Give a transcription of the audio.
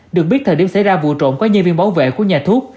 được biết thời điểm xảy ra vụ trộm có nhân viên bảo vệ của nhà thuốc